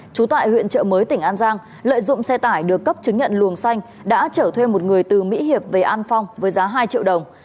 trú tại huyện trợ mới tỉnh an giang lợi dụng xe tải được cấp chứng nhận luồng xanh đã trở thuê một người từ mỹ hiệp về an phong với giá hai triệu đồng